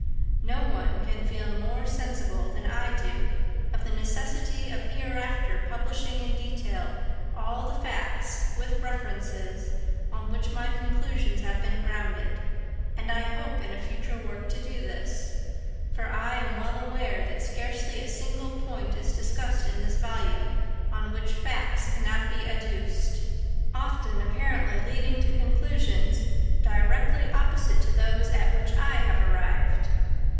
No one can feel more sensible than I do of the necessity of hereafter publishing in detail all the facts, with references, on which my conclusions have been grounded; and I hope in a future work to do this. For I am well aware that scarcely a single point is discussed in this volume on which facts cannot be adduced, often apparently leading to conclusions directly opposite to those at which I have arrived.